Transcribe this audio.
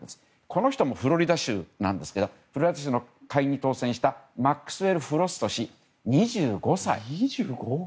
この人もフロリダ州なんですけど下院に当選したマックスウェル・フロスト氏２５歳。